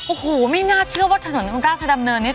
โอ้โหไม่น่าเชื่อว่าถนนราชดำเนินนี้